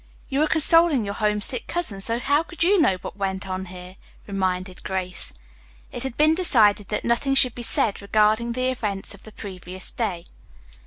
"You were consoling your homesick cousin, so how could you know what went on here?" reminded Grace. It had been decided that nothing should be said regarding the events of the previous day.